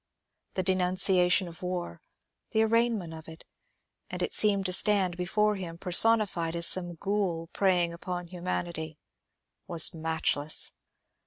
The denunciation of war, the arraignment of it — and it seemed to stand before him personified as some Ghoul preying upon Humanity — was matchless.